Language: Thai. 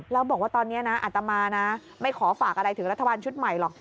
แล้วบอกว่าตอนนี้นะอัตมานะไม่ขอฝากอะไรถึงรัฐบาลชุดใหม่หรอก